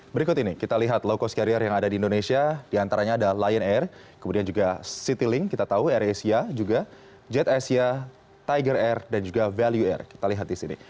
berikut ini kita lihat low cost carrier yang ada di indonesia diantaranya ada lion air kemudian juga citylink kita tahu air asia juga jet asia tiger air dan juga value air kita lihat di sini